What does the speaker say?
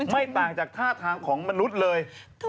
ไม่ต่างจากท่าทางของมนุษย์เลย